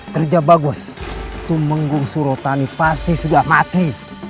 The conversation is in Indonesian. terja bagus tumenggung surotani pasti sudah mati